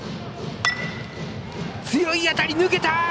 強い当たり、抜けた！